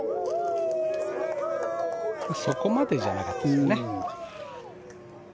そこまでじゃなかったですね。